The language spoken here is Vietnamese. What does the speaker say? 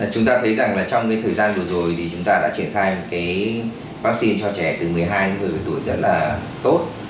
chúng ta thấy rằng là trong cái thời gian vừa rồi thì chúng ta đã triển khai cái vaccine cho trẻ từ một mươi hai đến một mươi tuổi rất là tốt